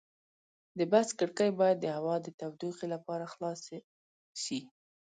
د بس کړکۍ باید د هوا د تودوخې لپاره خلاصې شي.